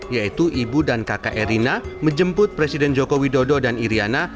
yaitu ibu dan kakak erina menjemput presiden joko widodo dan iryana